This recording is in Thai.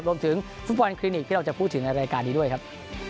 รวมถึงฟุตบอลคลินิกที่เราจะพูดถึงในรายการนี้ด้วยครับ